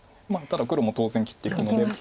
ただ黒も当然切ってくるので。